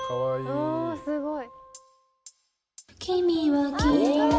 おぉすごい。